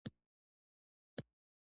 میریت ولې هنر دی؟